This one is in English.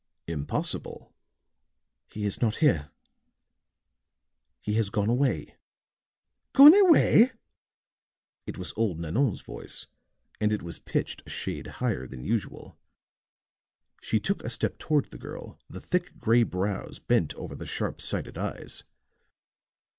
"Impossible?" "He is not here he has gone away." "Gone away!" It was old Nanon's voice, and it was pitched a shade higher than usual. She took a step toward the girl, the thick gray brows bent over the sharp sighted eyes.